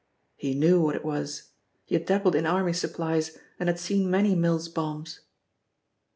He knew what it was he had dabbled in army supplies and had seen many Mills bombs.